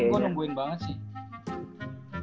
gue nungguin banget sih